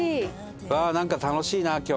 うわあなんか楽しいな今日。